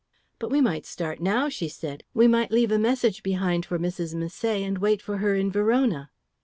"But we might start now," she said. "We might leave a message behind for Mrs. Misset and wait for her in Verona."